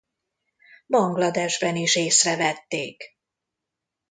Bangladesben is észrevették.